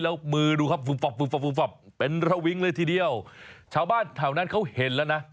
แล้วมือดูครับเป็นระวิงเลยทีเดียวชาวบ้านแถวนั้นเขาเห็นแล้วนะ